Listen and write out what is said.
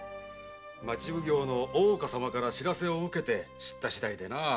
町奉行の大岡様から報せを受けて知った次第でな。